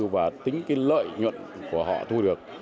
và tính cái lợi nhuận của họ thu được